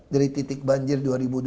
dari titik banjir dua ribu dua puluh